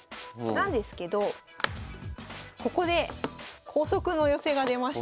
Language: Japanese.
なんですけどここで光速の寄せが出ました。